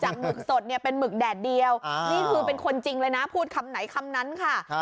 หมึกสดเนี่ยเป็นหมึกแดดเดียวนี่คือเป็นคนจริงเลยนะพูดคำไหนคำนั้นค่ะ